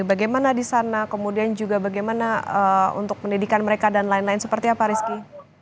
bagaimana di sana kemudian juga bagaimana untuk pendidikan mereka dan lain lain seperti apa rizky